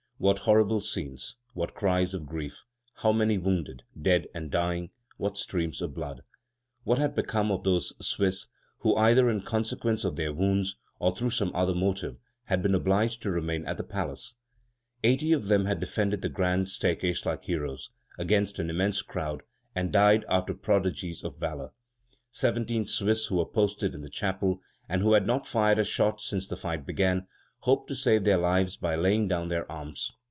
What horrible scenes, what cries of grief, how many wounded, dead, and dying, what streams of blood! What had become of those Swiss who, either in consequence of their wounds, or through some other motive, had been obliged to remain at the palace? Eighty of them had defended the grand staircase like heroes, against an immense crowd, and died after prodigies of valor. Seventeen Swiss who were posted in the chapel, and who had not fired a shot since the fight began, hoped to save their lives by laying down their arms.